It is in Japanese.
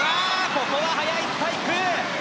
ここは速いスパイク！